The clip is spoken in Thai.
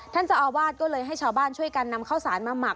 ท่านเจ้าอาวาสก็เลยให้ชาวบ้านช่วยกันนำข้าวสารมาหมัก